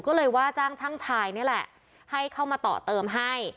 ก็เลยว่าจ้างช่างชายนี่แหละให้เข้ามาต่อเติมให้